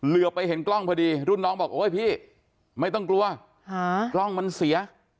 ไปเห็นกล้องพอดีรุ่นน้องบอกโอ๊ยพี่ไม่ต้องกลัวกล้องมันเสีย